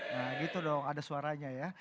nah gitu dong ada suaranya ya